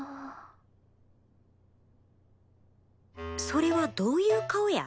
それはどういう顔や？